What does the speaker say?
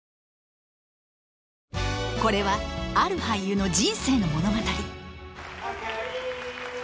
これはある俳優の人生の物語